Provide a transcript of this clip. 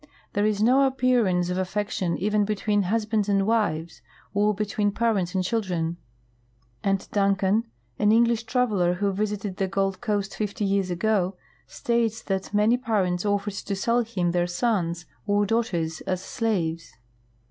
There is no appearance of affection even between hus bands and wives, or between parents and children ; and Duncan ^ an English traveler who visited the Gold coast fifty years ago, states that many parents offered to sell him their sons or daughters as slaves.